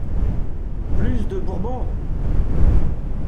Plus de Bourbons!